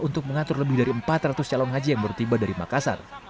untuk mengatur lebih dari empat ratus calon haji yang baru tiba dari makassar